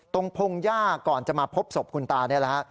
ตรงพงหญ้าก่อนจะมาพบศพคุณตานี่ล่ะ